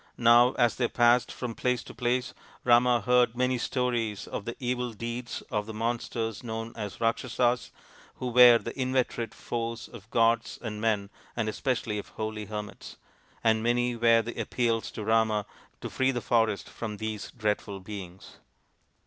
Now as they passed from place to place Rama heard many stories of the evil deeds of the monsters known as the Rakshasas, who were the inveterate foes of gods and men and especially of holy hermits ; and many were the appeals to Rama to free the forest from these dreadful beings.